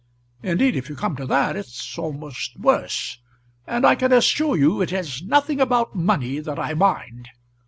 Indeed, if you come to that, it's almost worse; and I can assure you it is nothing about money that I mind.